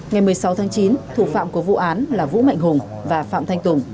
ngày một mươi sáu tháng chín thủ phạm của vụ án là vũ mạnh hùng và phạm thanh tùng